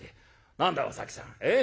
「何だいお崎さんえ？